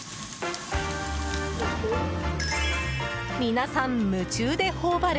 皆さん夢中で頬張る